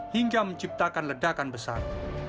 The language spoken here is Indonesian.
hingga menciptakan ledakan besar